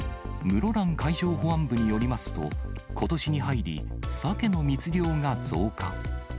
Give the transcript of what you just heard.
室蘭海上保安部によりますと、ことしに入り、サケの密漁が増加。